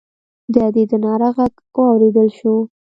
د ادي د ناره غږ واورېدل شو.